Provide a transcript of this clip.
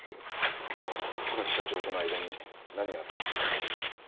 楠木社長との間に何があったんですかね。